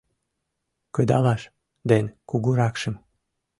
Кыдалаш ден кугуракшым